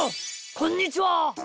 こんにちは！